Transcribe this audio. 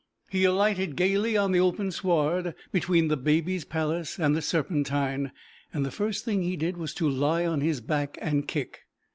He alighted gaily on the open sward, between the Baby's Palace and the Serpentine, and the first thing he did was to lie on his back and kick.